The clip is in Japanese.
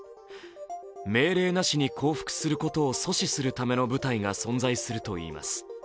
命令なしに降伏することを阻止するための部隊が存在するといいます。